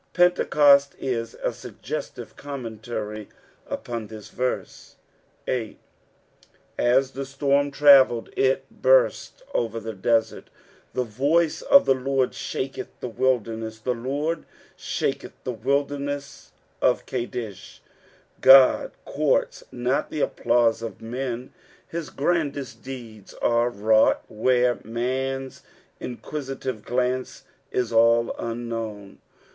Pentecost is a suggestive commentary upon this verse. 8. As the storm travelled, it burst over the desert. " The toiee of the Urrd ehideeth the wUdemeei ; Ae Lord ehaketh the aUdemeu of KadeA." Sod courts not the applause of men — his grandest deeds are wrought where man^s inquisitive glance is all unknown.